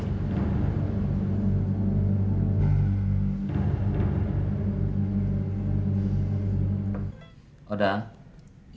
ningsi dan levi